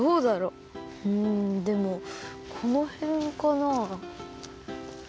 うんでもこのへんかな？